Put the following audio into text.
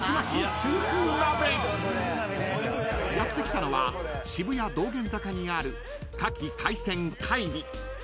［やって来たのは渋谷道玄坂にある牡蠣貝鮮かいり］